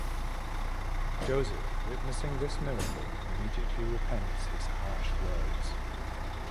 Joseph, witnessing this miracle, immediately repents his harsh words.